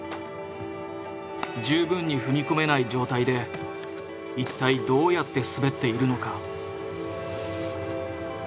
十分に踏み込めない状態で一体どうやって滑っているのか。